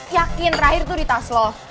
yakin terakhir tuh di tas lo